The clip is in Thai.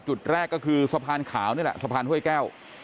จุดแรกก็คือสะพานขาวนี่แหละสะพานห้วยแก้ว